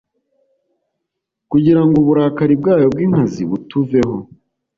kugira ngo uburakari bwayo bw'inkazi butuveho